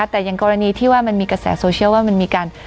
แต่อย่างกรณีที่ว่ามันมีกระแสโซเชียลว่ามันมีการ